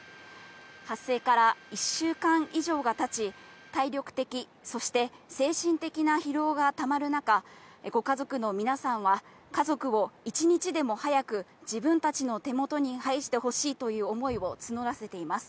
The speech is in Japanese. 発生から１週間以上が経ち、体力的、そして精神的な疲労がたまる中、ご家族の皆さんは、家族を一日でも早く、自分たちの手元に返してほしいという思いを募らせています。